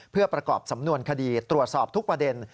เพื่อประกอบสำนวนคดีตรวจสอบทุกประเด็น